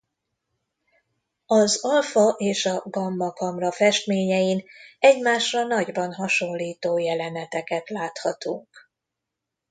Az Alfa és a Gamma kamra festményein egymásra nagyban hasonlító jeleneteket láthatunk.